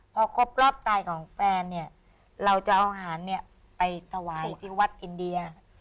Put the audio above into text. พอครบรอบตายของแฟนเนี่ยเราจะเอาอาหารเนี่ยไปถวายที่วัดอินเดีย